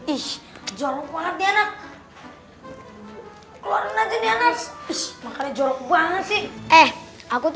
aku cuma ngikutin sunnah rasul